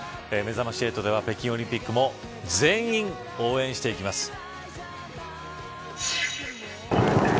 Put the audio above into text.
めざまし８では北京オリンピックも全員、応援していきます。